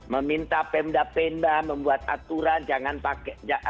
meminta penda penda membuat aturan jangan pakai